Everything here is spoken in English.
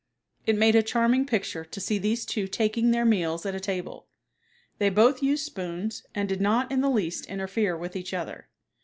It made a charming picture to see these two taking their meals at a table. They both used spoons and did not in the least interfere with each other.